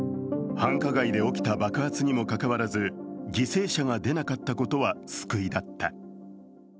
繁華街で起きた爆発にもかかわらず、犠牲者が出なかったことは救いだった。